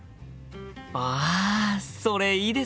あそれいいですよね！